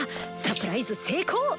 サプライズ成功！